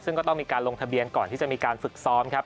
ซึ่งก็ต้องมีการลงทะเบียนก่อนที่จะมีการฝึกซ้อมครับ